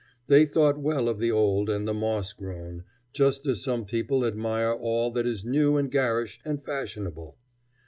They thought well of the old and the moss grown, just as some people admire all that is new and garish and fashionable.